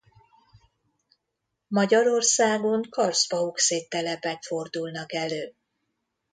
Magyarországon karsztbauxit-telepek fordulnak elő.